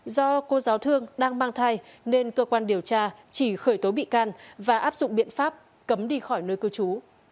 do cô giáo thương đang mang thai nên cơ quan điều tra chỉ khởi tố bị can và áp dụng biện pháp cấm đi khỏi nơi cư trú